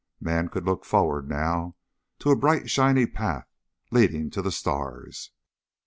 Man could look forward now, to a bright shiny path leading to the stars.